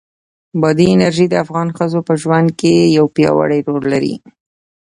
بادي انرژي د افغان ښځو په ژوند کې یو پیاوړی رول لري.